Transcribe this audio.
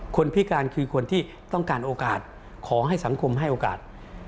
พิการคือคนที่ต้องการโอกาสขอให้สังคมให้โอกาส